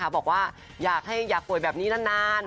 บอกว่าอยากให้อยากป่วยแบบนี้นาน